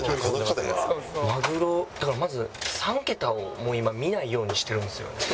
まぐろだからまず３桁をもう今見ないようにしてるんですよね。